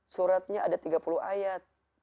suratnya ada tiga puluh ayat